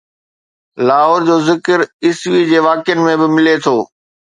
لاهور جو ذڪر عيسوي جي واقعن ۾ به ملي ٿو